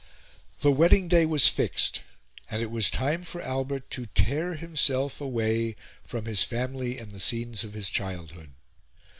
The wedding day was fixed, and it was time for Albert to tear himself away from his family and the scenes of his childhood.